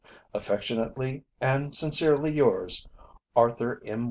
Affectionately and sincerely yours, ARTHUR M.